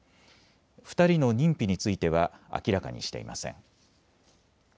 ２人の認否については明らかにしていません。